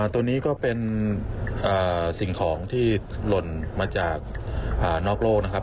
ตัวนี้ก็เป็นสิ่งของที่หล่นมาจากนอกโลกนะครับ